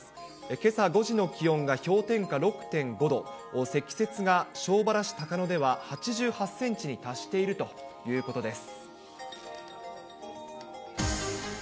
けさ５時の気温が氷点下６．５度、積雪が庄原市高野では８８センチに達しているということです。